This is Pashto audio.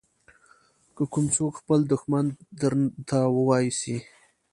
که کوم څوک خپل دښمن درته واېسي.